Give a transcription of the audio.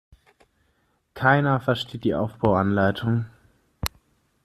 Keiner versteht die Aufbauanleitung.